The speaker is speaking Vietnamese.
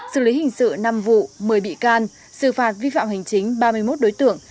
xử lý hình sự năm vụ một mươi bị can xử phạt vi phạm hành chính ba mươi một đối tượng